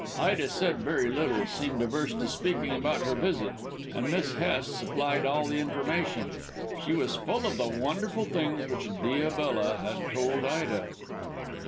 Ida said very little; seemed averse to speaking about her visit, and Miss Hest supplied all the information. She was full of the wonderful things which Diabella had told Ida."